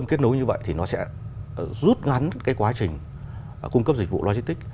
nếu kết nối như vậy thì nó sẽ rút ngắn quá trình cung cấp dịch vụ logistics